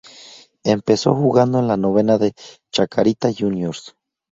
Empezó jugando en la novena de Chacarita Juniors.